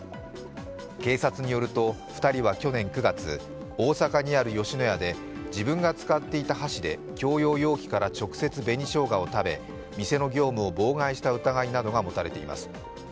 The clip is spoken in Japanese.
警察によると２人は去年９月大阪にある吉野家で自分が使っていた箸で共用容器から直接紅しょうがを食べ、店の業務を妨害した疑いなどが持たれています。